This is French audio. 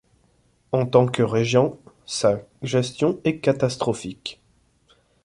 En tant que régent, sa gestion est catastrophique.